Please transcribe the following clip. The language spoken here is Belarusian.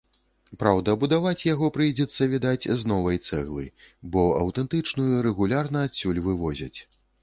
Праўда, будаваць яго прыйдзецца, відаць, з новай цэглы, бо аўтэнтычную рэгулярна адсюль вывозяць.